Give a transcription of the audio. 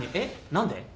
何で？